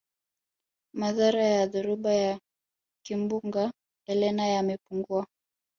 madhara ya dhoruba ya kimbunga elene yamepungua